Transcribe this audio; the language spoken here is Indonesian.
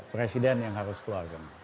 presiden yang harus keluar